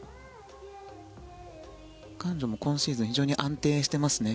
彼女も今シーズン非常に安定していますね。